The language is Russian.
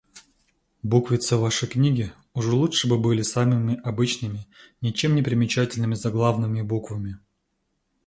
Буквицы в вашей книге уж лучше бы были самыми обычными ничем непримечательными заглавными буквами.